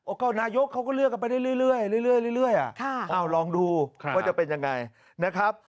โอ้โก้นายกเขาก็เลือกกันไปเรื่อยอะลองดูว่าจะเป็นยังไงนะครับครับ